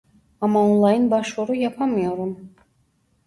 Ama online başvuru yapamıyorum